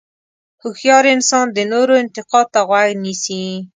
هوښیار انسان د نورو انتقاد ته غوږ نیسي.